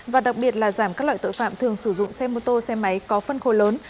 và đặc biệt là giảm các loại tội phạm thường sử dụng xe mô tô xe máy có phân khối lớn